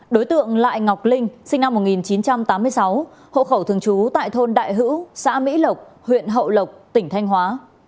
đối tượng lại ngọc linh sinh năm một nghìn chín trăm tám mươi sáu hộ khẩu thường trú tại thôn đại hữu xã mỹ lộc huyện hậu lộc tỉnh thanh hóa